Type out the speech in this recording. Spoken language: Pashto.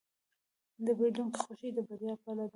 د پیرودونکي خوښي د بریا پله ده.